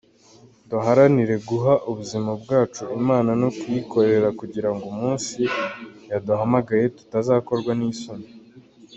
Duharanire guha ubuzima bwacu Imana no kuyikorera kugira ngo umunsi yaduhamagaye tutazakorwa n’isoni.